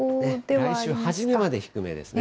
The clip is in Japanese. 来週初めまで低めですね。